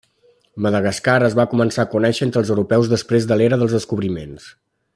Madagascar es va començar a conèixer entre els europeus després de l'Era dels Descobriments.